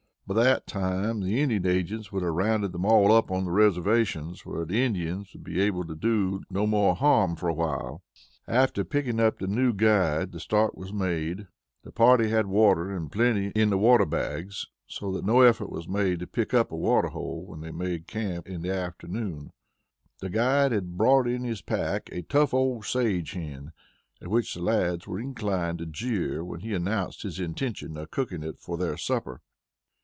By that time the Indian agents would have rounded them all up on the reservations, where the Indians would be able to do no more harm for a while. After picking up the new guide the start was made. The party had water in plenty in the water bags, so that no effort was made to pick up a water hole when they made camp late in the afternoon. The guide had brought in his pack a tough old sage hen, at which the lads were inclined to jeer when he announced his intention of cooking it for their supper.